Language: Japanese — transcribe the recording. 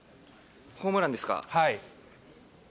ホームランですか？